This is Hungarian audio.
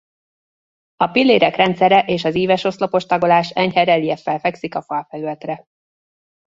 A pillérek rendszere és az íves-oszlopos tagolás enyhe relieffel fekszik a falfelületre.